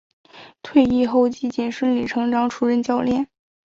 退役后基瑾顺理成章出任教练。